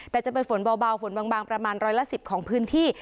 แต่จะเป็นฝนเบาฝนบางประมาณร้อยละ๑๐ของพื้นที่